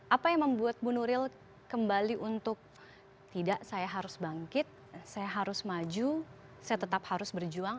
apa yang membuat bu nuril kembali untuk tidak saya harus bangkit saya harus maju saya tetap harus berjuang